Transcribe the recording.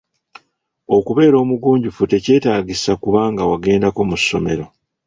Okubeera omugunjufu tekyetaagisa kuba nga wagendako mu ssomero.